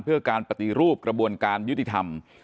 เพื่อการปฏิรูปกระบวนการยุติธรรม